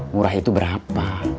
murah itu berapa